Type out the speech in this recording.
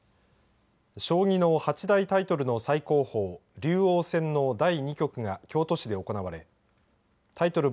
将棋の八大タイトルの最高峰竜王戦の第２局が京都市で行われタイトル